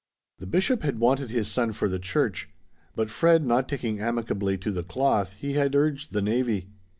The Bishop had wanted his son for the church; but Fred not taking amicably to the cloth, he had urged the navy.